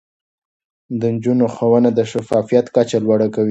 د نجونو ښوونه د شفافيت کچه لوړه کوي.